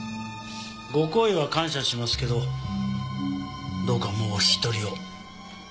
ご厚意は感謝しますけどどうかもうお引き取りを。